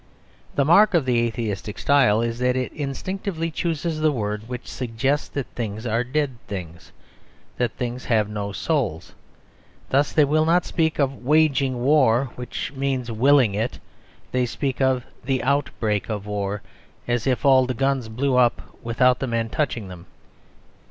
The mark of the atheistic style is that it instinctively chooses the word which suggests that things are dead things; that things have no souls. Thus they will not speak of waging war, which means willing it; they speak of the "outbreak of war," as if all the guns blew up without the men touching them.